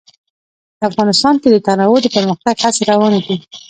افغانستان کې د تنوع د پرمختګ هڅې روانې دي.